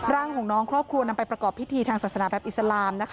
ร่างของน้องครอบครัวนำไปประกอบพิธีทางศาสนาแบบอิสลามนะคะ